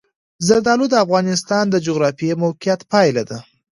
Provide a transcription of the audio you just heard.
زردالو د افغانستان د جغرافیایي موقیعت پایله ده.